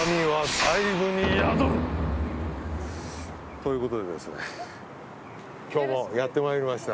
ということで今日もやってまいりました。